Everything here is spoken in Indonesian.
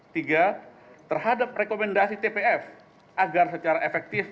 tiga terhadap rekomendasi tpf agar secara efektif